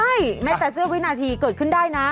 ใช่แม้แต่เสื้อวินาทีเกิดขึ้นได้นะ